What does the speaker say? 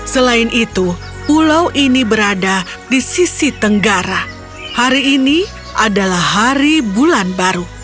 selain itu pulau ini berada di sisi tenggara hari ini adalah hari bulan baru